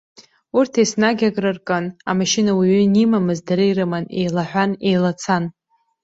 Урҭ еснагь акры ркын, амашьына уаҩы ианимамыз дара ирыман, еилаҳәан, еилацан.